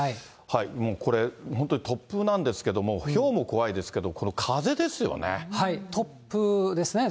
もうこれ、本当に突風なんですけども、ひょうも怖いですけど、こ突風ですね。